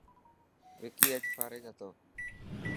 وڪي اڄ فارغ هتو.